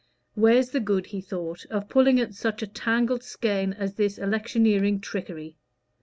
"Where's the good," he thought, "of pulling at such a tangled skein as this electioneering trickery?